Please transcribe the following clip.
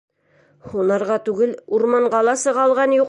Һунарға түгел, урманға ла сыға алған юҡ.